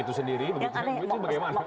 itu sendiri begitu bagaimana